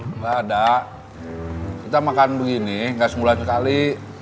enggak ada kita makan begini enggak semula sekali